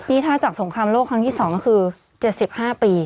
นี่ถ้าจากสงครามโลกครั้งที่๒ก็คือ๗๕ปี